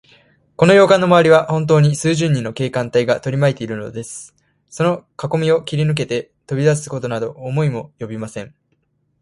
この洋館のまわりは、ほんとうに数十人の警官隊がとりまいているのです。そのかこみを切りぬけて、逃げだすことなど思いもおよびません。